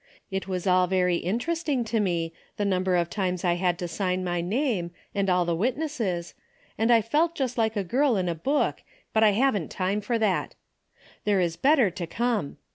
It was all very interesting to me, the number of times I had to sign my name, and all the witnesses, and I felt just like a girl in a book, but I haven't time for that. There is better to come.